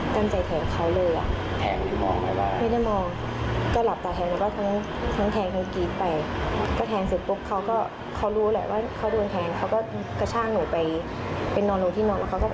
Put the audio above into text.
ไปนอนหนูที่นอนแล้วเขาก็ชกท้องหนูชกใช่เขาพยายามจะชกจะตี